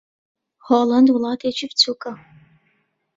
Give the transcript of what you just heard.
ھۆلەند وڵاتێکی بچووکە.